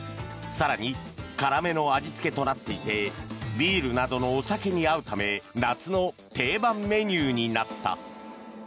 更に、辛めの味付けとなっていてビールなどのお酒に合うため夏の定番メニューになった。